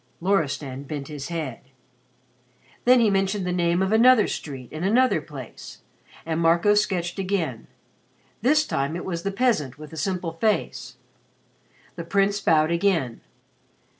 Loristan bent his head. Then he mentioned the name of another street in another place and Marco sketched again. This time it was the peasant with the simple face. The Prince bowed again.